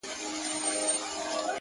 هره تجربه نوی لید درکوي.!